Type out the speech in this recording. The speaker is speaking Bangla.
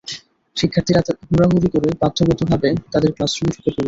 শিক্ষার্থিরা হুড়াহুড়ি করে বাধ্যগতভাবে তাদের ক্লাসরুমে ঢুকে পড়ল।